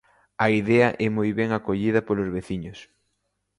A idea é moi ben acollida polos veciños.